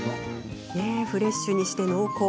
フレッシュにして濃厚。